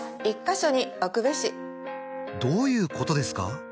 どういうことですか？